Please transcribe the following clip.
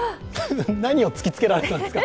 何を突きつけられたんですか？